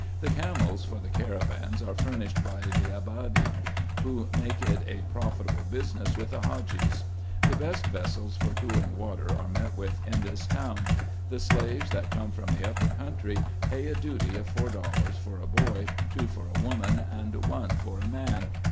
The camels for the caravans are furnished by the Ababdy, who make it a profitable business with the Hadgees. The best vessels for cooling water are met with in this town. The slaves that come from the upper country pay a duty of four dollars for a boy, two for a woman, and one for a man.